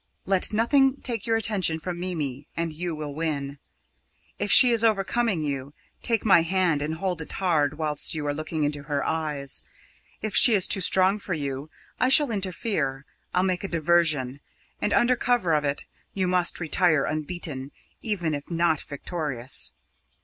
Let nothing take your attention from Mimi, and you will win. If she is overcoming you, take my hand and hold it hard whilst you are looking into her eyes. If she is too strong for you, I shall interfere. I'll make a diversion, and under cover of it you must retire unbeaten, even if not victorious.